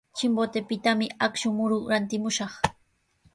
Chimbotepitami akshu muru rantimushaq.